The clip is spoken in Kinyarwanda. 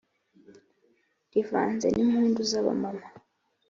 rivanze n’impundu zaba mama